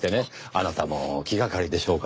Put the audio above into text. あなたも気がかりでしょうから。